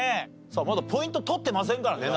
さあまだポイント取ってませんからね